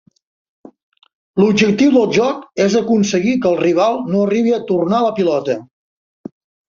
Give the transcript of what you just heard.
L'objectiu del joc és aconseguir que el rival no arribi a tornar la pilota.